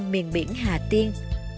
miền biển hà tiên